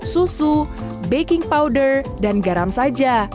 susu baking powder dan garam saja